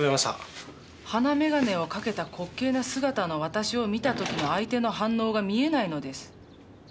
鼻メガネをかけたこっけいな姿の私を見た時の相手の反応が見えないのです。